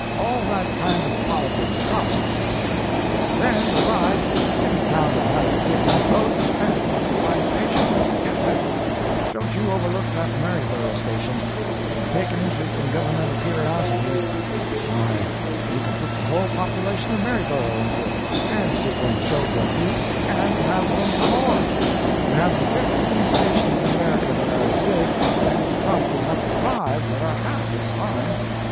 All that kind of politics costs, you see. And then, besides, any town that has a good many votes and wants a fine station, gets it. Don't you overlook that Maryborough station, if you take an interest in governmental curiosities. Why, you can put the whole population of Maryborough into it, and give them a sofa apiece, and have room for more. You haven't fifteen stations in America that are as big, and you probably haven't five that are half as fine.